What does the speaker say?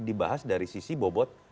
dibahas dari sisi bobot